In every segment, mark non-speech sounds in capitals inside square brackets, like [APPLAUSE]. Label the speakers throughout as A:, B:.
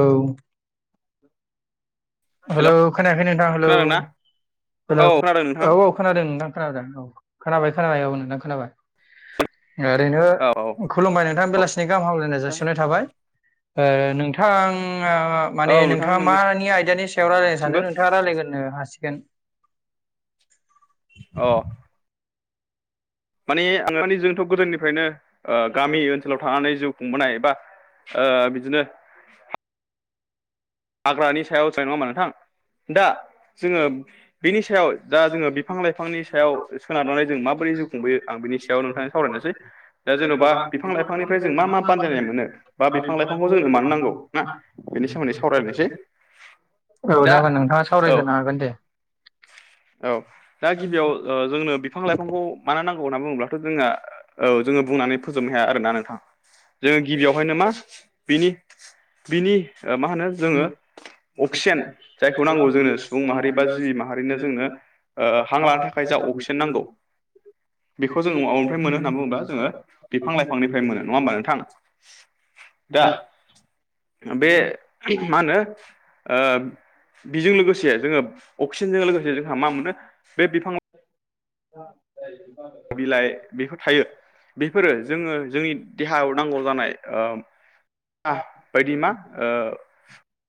A: औ। हेलौ खोनायाखै नोंथां हेलौ
B: खोनादोंना औ
A: हेलौ
B: खोनादों नोंथां
A: औ औ। खोनादों नोंथां खोनादों औ खोनाबाय खोनाबाय औ नोंथां खोनाबाय। ओरैनो
B: औ औ
A: खुलुमबाय नोंथां
B: औ
A: बेलासिनि गाहाम हामलायनाय जासिनाय थाबाय। नोंथां
B: औ
A: माने
B: नोंथां
A: नोंथाङा
B: नोंनिसिमबो
A: मानि आयदानि सायाव रायजलायनो सानदों नोंथाङा राय फायग्रोनो हासिगोन।
B: अ। माने आं मे जोंथ' गोदोनिफ्रायनो गामि ओनसोलाव थानानै जिउ खुंबोनाय बा बिदिनो हाग्रानि सायाव जानाय नङाामा नोंथां दा जोङो बिनि सायाव दा जोङो बिफां लाइफांनि सायाव सोनारनानै जों माबोरै जिउ खुंबोयो आं बिनि सायाव नोंथाङा सावरायनोसै। दा जेन'बा बिफां लाइफांनिफ्राय जों मा मा बानजायनाय मोनो बा
A: औ
B: बिफां लाइफांखौ जोंनो मानो नांगौ? आ बेनि सोमोन्दै सावराय
A: औ जागोन नोंथाङा
B: औ
A: सावरायग्रोनो हागोन दे।
B: औ दा गिबियाव जोंनो बिफां लाइफांखौ मानो नांगौ होनना बुङोब्लाथ' जोङो औ जोङो बुंनानै फोजोबनो हाया आरोना नोंथाङा। जोङो गिबियावहायनो मा बिनि बिनि ओ मा होनो जोङो अक्सिजेन जायखौ नांगौ जोंनो सुबुं माहारि बा जिबि माहारिनो जोंनो हां लानो थाखाय जा अक्सिजेन नांगौ। बेखौ जोङो माबनिफ्राय मोनो होननानै बुङोब्ला जोङो बिफां लाइफांनिफ्राय मोनो नङा होमबा नोंथां? दा बे मा होनो बिजों लोगोसे जोङो अक्सिजेनजों लोगोसे जोंहा मा मोनो बे बिफां
A: औ [UNINTELLIGIBLE] ज [UNINTELLIGIBLE]
B: बिलाइ बेफोर थायो बेफोरो जोङो जोंनि देहायाव नांगौ जानाय ओ आ बायदि मा ओ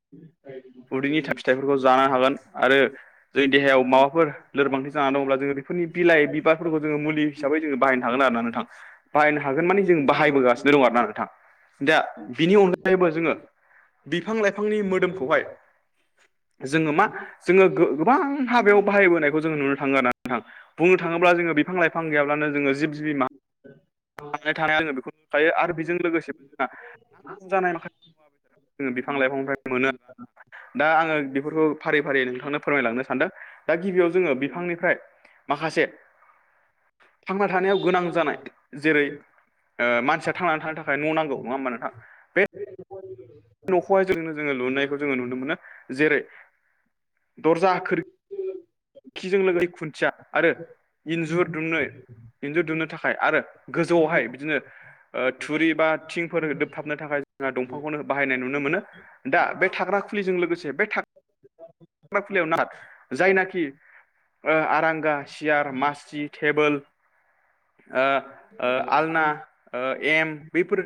A: [INAUDIBLE]
B: उदैनि थाब फिथाइफोरखौ जानो हागोन आरो जोंनि देहायाव माबाफोर लोरबांथि जानानै दंब्ला जों बेफोरनि बिलाइ बिबार फोरफोरखौ जोङो मुलि हिसाबै जोङो बाहायनोागोन ना नोंथां बाहायनो हागोन मानि जों बाहायबोगासिनो दं आरो ना नोंथां। दा बिनि अनगायैबो जोङो बिफां लाइफांनि मोदोमखौहाय जोङो मा जोङो गोबां हाबायाव बाहायबोनायखौ जोङो नुनो थाङो आरो। बुंनो थाङोब्ला जोङो बिफां लाइां गैयाब्लानो जोङो जिबि मा। थांनाय थानाया आङो बेखौ नुखायो आरो बेजों लोगोसेबो जोंना नाख जानाय माखासे। मुवा बेसाद बिफां लाइफांनिफ्राय मोनो आरोा दा आङो बेफोरखौ फारि फारि नोंथांनो फोरमायलांनो सानदों। दा गिबियाव जोङो बिफांनिफ्राय माखासे। थांना थानायाव गोनां जानाय। जेरै मानसिया थांनानै थांनो थाखाय न' नांगौ नङा होमबा नोंथां।
A: बे
B: न'हाय जोंनो जोङो लुनायखौ जोङो नुनो मोनो जेरै दर्जा खोर खखिजों लोगोसे खुन्थिया आरो इन्जुर दुमनो इन्जु दुनो थाखाय आरो गोजौआवहाय बिदिनो थुरि बा थिंफोर दोबथाबनो थाखाय जोंहा दंफांखौनो बाहायनाय नुनो मोनो। दा बे थाग्रा खुलिजों लोगोसे बे फ्रा फुलियाव न जायनाखि आरांगा सियार मासि टेबोल आलना एम बैफोर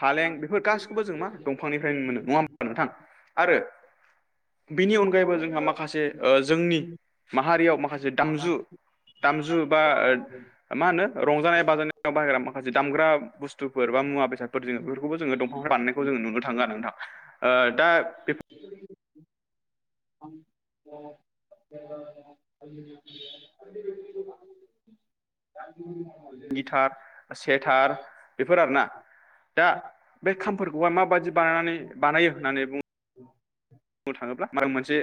B: फालें बेफोर गासिखौबो जों मा दंफांनिफ्राय मोनो नङा होमा नोंथां आरो। बिनि अनगायैबो जोंहा माखासे जोंनि माहारियाव माखासे दामजु। दामजु बा मा होनो रंजानाय बाजानायाव बाहायग्रा माखासे दामग्रा बुस्थुफोर बा मुवा बेसाद जो दंफां बानायनायखौ जोो नुनो थाङो आरो नोंथांङा दा बे गिटार सेटार बेफोर आरोना। दा बे खामफोरखौहाय माबादि बानायनानै बानायो होननानै बुंङो बुंनो थाङोब्ला मं मोनसे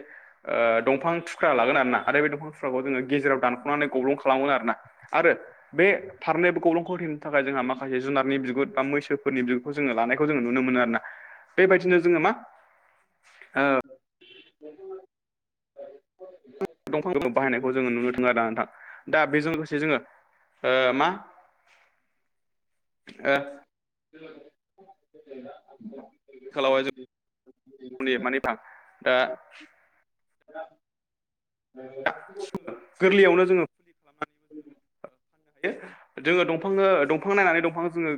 B: दंफां थुख्रा लागोन आर ना आरो बे दंफां थुख्राखौ जोङो गेजेराव दानख'नानै गब्लं खालामगोन आरो ना। आरो बे थारनायबो गौरां खथेनो थाखाय जोंहा माखासे जुनारनि बिगुर बा मैसोफोरनि बिगुरखौ जोङो लानायखौ जोंो नुनो मोनो आरोना। बेबायदिनो जोङो मा ओ
A: [UNINTELLIGIBLE]
B: दंफां बाहायनायखौ जोङो नुनो थों आरो दा नोंथां दा बेजों लोगोसे जोङो। मा
A: बे
B: आथिखालावहाय ज मानि फां दा गोरलैयावनो जोङो फुलि खालामनानै नो हायो जोङो दंफाङ दंफां नायनानै दंफां जोङो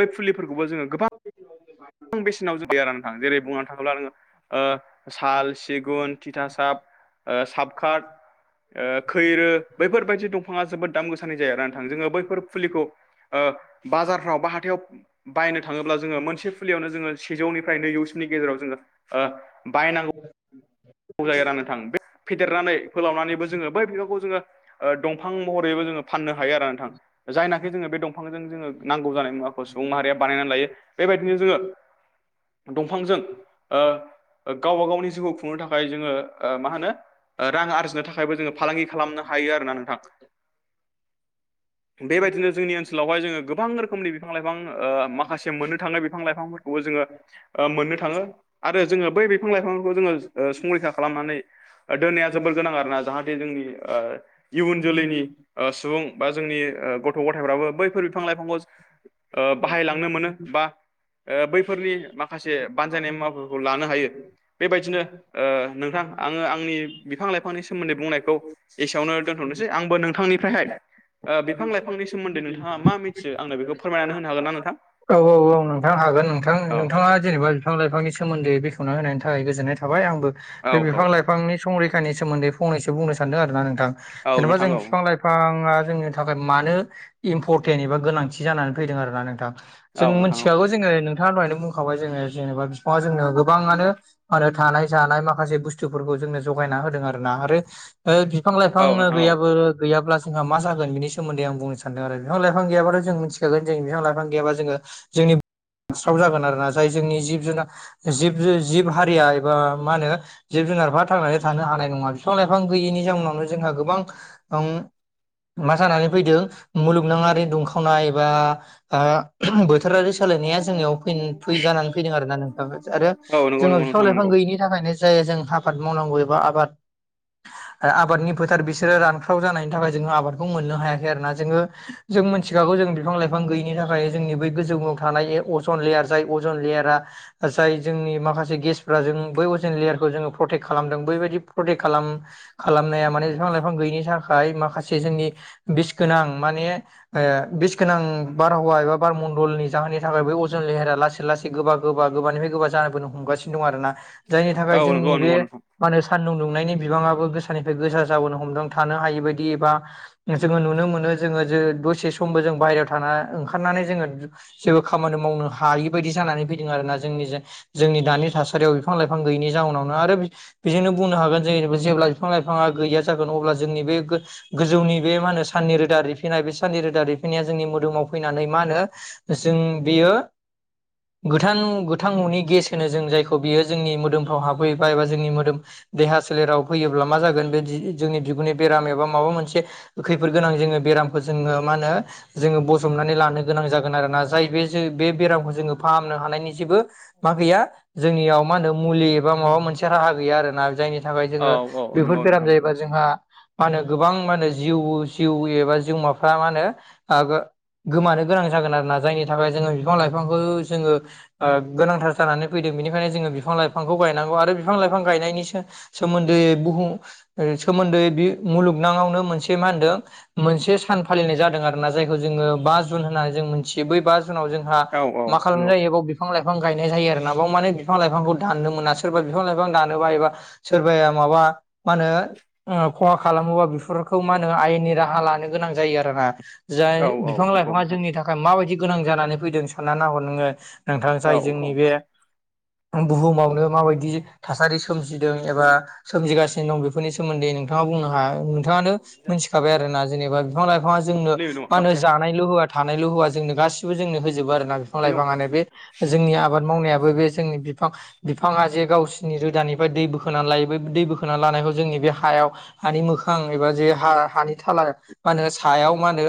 B: बै फुलिफोरखौबो जोङो गोबां। गोबां बेसेनाव ज गैया आरो नोंथाङा जेरै बुंनो थाङोब्ला नोङो साल सिगुन थिथासाब। साबक खैरो बैफोरबायदि दंफाङा जोबोद दाम गोसानि जायो आरो नोंथां जोङो बैफोर फुलिखौ। बाजारफ्राव बा हाथायाव बायनो थाङोब्ला जोङो मोनसे नो ज सेजौनिफ्राय नैजौनि गेजेराव जोङो ओ बायनांगौ। मावजायो रानो थां बे फेदेरनानै फोलावनानैबो जोङो बै बिफांखौ जोङो। दंफां महरैबो जोङो फाननो हायो आरो नोंथां। जायनाखि जोङो बे दंफांजों जोङो नांगौ जानाय मुवाखौ सुबुं माहारिया बानायनानै लायो। बेबायदिनो जोङो दंफांजों गावबा गावनि जिउखौ खुंनो थाखाय। ओमाय जोङो मा होनो। रां आरजिनो थाखायबो जोङो फालांगि खालामनो हायो आरो ना नोंथां। बेबायदिनो जोंनि ओनसोलावहाय जोङो गोबां रोखोमनि। बिफां लाइफां माखासे मोननो थांनाय बिफां लाइफांफोरखौबो जोङो। मोननो थाङो आरो जोङो बै बिफां लाइफांखौ जोङो। संरैखा खालामनानै दोननाया जोबोर गोनां आरोना जाहाथे जोंनि। इयुन जोलैनि सुबुं बा जोंनि गथ' गथायफ्राबो बैफोर बिफां-लाइफांखौ बाहायलांनो मोनो बा बैफोरनि माखासे बानजायनाय मुाफोरखौ लानो हायो बेबायदिनो नोंथां आङो आंनि बिफां लाइफांनि सोमोन्दै बुंनायखौ एसेयावनो दोनथ'नोसै आंबो नोंथांनिफ्रायहाय बिफां लाइफांनि सोमोन्दै नोंथाङा मा मा मिथियो आं बेखौ फोरमायनानै होनो होन ना नोंथां
A: औ औ नोंथां हागोन नोंथां
B: औ
A: नोंथाङा जेनेबा बिफां लाइफांनि सोमोन्दै बेखेवना होनायनि थाखाय गोजोननाय थाबाय आंबो बे
B: औ औ
A: बिफां लाइफांनि संरैखानि सोमोन्दै फंनैसो बुंनो सानदों आरोना नोंथां
B: औ
A: जेनेबा
B: नोंथां
A: जों
B: औ
A: बिफां लाइफां बिफाङा जोंनि थाखाय मानो इम्परटेन्ट एबा गोनांथि जानानै फैदों आरोना नोंथां जों
B: औ नोंथां औ
A: मिथिखागौ जोङो नोंथाङा दहायनो बुंखाबाय जोङो जेनेबा बिफाङा जोंनो गोबाङानो आरो थानाय जानाय माखासे बुस्थुफोरखौ जोंनो जगायना होदों आरोना आरो बिफां लाइफां
B: औ नोंथां औ
A: गैयाबो गैयाब्ला जोंहा मा जोन बेनि सोमोन्दै आं बुंनो सानदों आरो बिफां लाफां गैयाबाथ जों मिथिखागोन जों बिफां लाइफां गैयाब्ला जोङो जोंनि हास्राव जागोन आरो ना जाय जोंनि जिब जुनार जिब जिब हारिया एबा मा होनो जिब जुनारफ्रा थांनानै थानो हानाय नङा बिफां लाइफां गैयैनि जाउनावनो जोंहा गोबां मा जानानै फैदों मुलुगनाङारि दुंखावनाय बा बोथोरारि सोलायनाया जोंनियाव फै जानानै फैदों आरो ना नोंथां आरो
B: औ नंगौ
A: जोंनो
B: नंगौ
A: बिफां
B: नोंथां
A: लाइफां
B: नंगौ
A: गैयिनि नि थाखायनो जायो जों आबाद मावनांगौ एबा आबाद आरो आबादनि फोथार बिसोरो रानख्राव जानायनि थाखाय जोङो आबादखौ मोननो हायाखै आरोना जोङो जों मिथिखागौ जों बिफां लाइफां गैयिनि थाखाय जोंनि बै गोजौआव थानाय अजन लेयार जाय अजन लेयारा जाय जोंनि माखासे गेसफ्रा जों बै अजेन लेयारखौ जोङो प्रटेक्ट खालामदों बैबायदि प्रटेक्ट खालाम खालामनाया माने बिफां लाइफां गैयिनि थाखाय माखासे जोंनि बिस गोनां माने बिस गोनां बारहावा एबा बारमण्डलनि जाहोननि थाखाय बै अजन लेहेरा लासै लासै गोबा गोबा गोबानिफ्राय गोबा जाबोनो हमगासिनो दं आर ना जायनि
B: औ
A: थाखाय जोंनि
B: नंगौ
A: बे
B: नंगौ नोंथां
A: मा होन सानदुं दुंनायनि बिबाङाबो गोसानिफ्राय गोसा जाबोनो हमदों थानो हायि बायदि एबा जोङो नुनो मोनो जोङो जे दसे समबो जों बाहेरायाव थाना ओंखारनानै जोङो जेबो खामानि मावनो हायि बायदि जानानै फैदों आरोना जोंनि जे जोंनि दानि थासारियाव बिफां लाइफां गैयैनि जाउनावनो आरो बेजोंनो बुंनो हागोन जों जेब्ला बिफां लाइफाङा गैया जागोन अब्ला जोंनि बे गोजौनि बे मा होनो सानननि रोदा रिफिनाय बे साननि रोदा रिफिनाया जोंनि मोदोमाव फैनानै मा होनो जों बेयो गोथां गोथां न'नि गेस होनो जों जायखौ बियो जोंनि मोदोमफ्राव हाबफैयोबा एबा जोंनि मोदोम देहा सोलेराव फैयोब्ला मा जागोन बे जोंनि बिगुननि बेराम एबा माबा मोनसे खैफोद गोनां जोङो बेरामखौ जोङो मा होनो जोङो बजबनानै लानो गोनां जाग ज ज फनो हनि जे जों मा होनो मुलि एबा माबा मोनसे राहा गैया आरोना जायनि थाखाय
B: औ
A: जोङो
B: औ
A: बेफोर
B: नंगौ
A: बेराम
B: नोंथां नंगौ
A: जायोबा जोंहा मा होनो गोबां मा होनो जिउ जिउ एबा जिउमाफ्रा मा होनो गोमानो गोनां जागोन आरोना जायनि थाखाय जोङो बिफां लाइफांखौ जोङो गोनांथार जानानै फैदों बेनिखायनो जोङो बिफां लाइफांखौ गायनांगौ आरो बिफां लाइफां गायनायनिसो सोमोन्दोयै बुहुम सोमोन्दै मुलुगनाङावनो मोनसे मा होनदों मोनसे सान फालिनाय जादों आरोना जायखौ जोङो बा जुन होननानै जों मोनथियो बै बा जुनाव जोंहा
B: औ औ
A: मा
B: नंगौ
A: खालामनाय जायो बिफां लाइफां गायनाय जायो आरो नाबाव माने बिफां लाइफांखौ दाननो मोना सोरबा बिफां लाइफां दानोबा एबा सोरबाया माबा मा होनो खहा खालामोबा बेफोरखौ मा होनो आयेननि राहा लानो गोनां जायो आरोना जाय
B: औ औ
A: बिफां
B: नंगौ
A: लाइफाङा
B: नोंथां
A: जोंनि थाखाय ओ माबायदि गोनां जानानै फैदों साननानै नाहर नोङो नोंथां
B: औ
A: जाय जोंनि
B: औ
A: बे बुहुमावनो माबायदि थासारि सोमजिदों एबा सोमजिगासिनो दं बेखौ बेफोरनि सोमोन्दैोंथाङा बुंनो हाया नोंथाङानो मिथिखाबाय आरोना जेनेबा बिफां लाइफाङा जोंनो
B: नैबे दङ
A: मा होनो
B: खाबसेया
A: जानायल' होवआ थानायल' होवा जोंनो गासिबो जोंनो होजोबो आरो ना बिफां
B: बे नङा
A: लाइफाङानो बे जोंनि आबाद मावनायाबो बे जोंनि बिफां बिफाङा जे गावसोरनि रोदानिफ्राय दै बोखोना लायो बै दै बोखोना लानायखौ जोंनि बे हायाव हानि मोखां एबा जे हा हानि थाला मा होनो सायाव मा होनो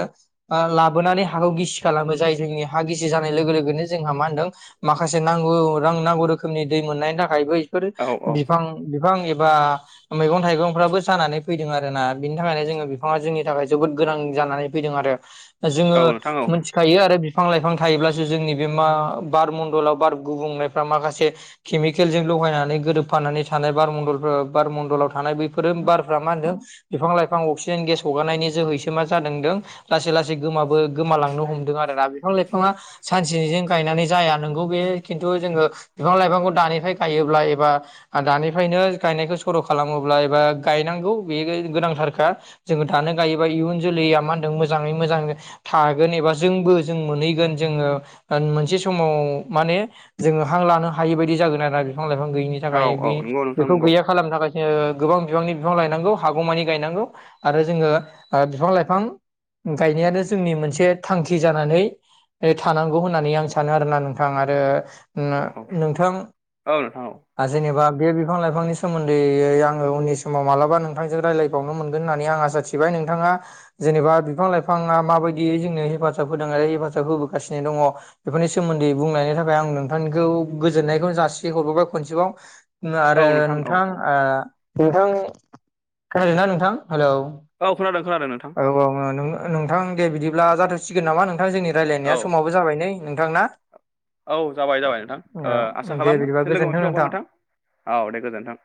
A: लाबोनानै हाखौ गिसि खालामो जाय जोंनि हा गिसि जानाय लोगो लोगोनो जोंहा मा होनदों। माखासे नांगौ रां नांगौ रोखोमनि दै मोननायनि थाखायबो बेफोर
B: औ औ
A: बिफां बिफां एबा मैगं थाइगंफ्राबो जानानै फैदों आरोना बिनि थाखायनो जोङो बिफाङा जोंनि थाखाय जोबोद गोनां जानानै फैदों आरो जोङो
B: औ नोंथां औ
A: थिखायो आरो बिफां लाइफां थायोब्लासो जोंनि बे मा बार मणडलाव बार गुबुंनायफ्रा माखासे केमिकेलजों लगायनानै गोरोबफानानै थानाय बारमडलफोर बारमडलाव थानाय बे फोर ओम बारफ्रा मा होनदों बिफां लाइफां अक्सिजेन गेस हगारनायनि जोहैसो मा जादों होन्दों लासै लासै गोमाबो गोमालांनो हमदों आरोना बिफां लाइफाङा सानसेजों गायनानै जाया नों गौ बे खिन्थु जोङो बिफां लाइफांखौ दानिफ्राय गायोब्ला एबा आ दानिफायनो गायनायखौ सर' खालामोब्ला एबा गायनांगौ बे गोनांथारखा। जोङो दानो गायोबा इयुन जोलैया मा होनदों मोजाङै मोजां थागोन एबा जोंबो जों मोनहैगोन जोङो ओन मोनसे समाव माने जोङो हां लानो हायि बायदि जागोन आरोना बिफां लाइफां गैयिनि
B: औ
A: थाखाय
B: औ
A: बि
B: नंगौ नोंथां
A: बेखौ
B: नंगौ
A: गैया खालामनो थाखाय जोङो गोबां बिबांनि बिफां लायफां हागौमानि गायनांगौ आरो जोङो ओ बिफां लाइफां गायनायानो जोंनि मोनसे थांखि जानानै थानांगौ होननानै आं सानो आरोना नोंथां आरो
B: औ औ
A: नोंथां
B: औ नोंथां औ
A: जेनेबा बे बिफां लाइफांनि सोमोन्दै आङो उननि समाव मालाबा नोंथांजों रायज्लायबावनो मोनगोन होननानै आं आसा थि बाय नोंथाङा जेनेबा बिफां लाइफाङा माबायदियै जोंनो हेफाजाब होदों आरो हेफाजाब होबोगासिनो दङ बेफोरनि सोमोन्दै बुंनायनि थाखाय आं नोंथांनिखौ गोजोननायखौनो जासि हरबोबाय खनसेबाव उम
B: औ
A: आरो
B: औ
A: नोंथां
B: औ
A: आ नोंथां खोनादों ना नोंथां हेलौ?
B: औ खोनादों खोनादों नोंथां
A: औ औ ओ नो-नोंथां दिब्ला जाथ'सिगोन नामा नोंथां जोंनि
B: औ
A: रायजलायनाया समावबो जाबाय नै नोंथां ना!
B: औ जाबाय जाबाय
A: औ
B: नोंथां। ओ आसा
A: दे
B: खालामो
A: बिदिबा
B: फिन लोगो
A: गोजोन्थों
B: मोनफिबावगोन नोंथां औ दे गोजोन्थों।